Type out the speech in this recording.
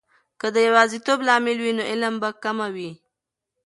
که د یواځیتوب لامل وي، نو علم به کمه وي.